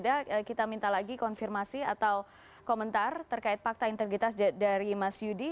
nanti kita minta lagi konfirmasi atau komentar terkait fakta integritas dari mas yudi